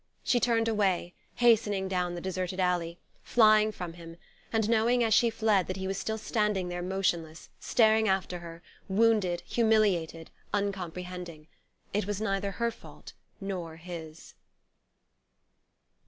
She turned away, hastening down the deserted alley, flying from him, and knowing, as she fled, that he was still standing there motionless, staring after her, wounded, humiliated, uncomprehending. It was neither her fault nor his....